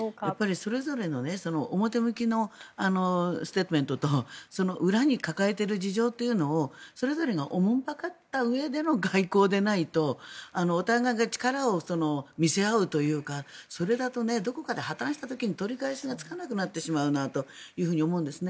それぞれの表向きのステートメントと裏に抱えている事情というのをそれぞれが慮ったうえでの外交でないとお互いが力を見せ合うというかそれだとどこかで破たんしてしまった時に取り返しがつかなくなってしまうなと思うんですね。